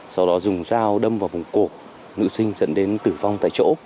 sau đó dùng dao đâm vào vùng cột nữ sinh dẫn đến tử vong tại chỗ